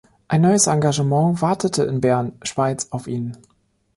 Ein neues Engagement wartete in Bern, Schweiz, auf ihn.